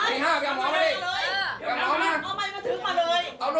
ไปสิแจงเราไม่ยอมให้ชีแจงมาให้เขานั่งโยงดิ